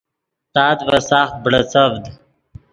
تات ڤے ساخت بڑیڅڤد